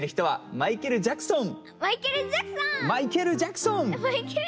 マイケルジャクソン！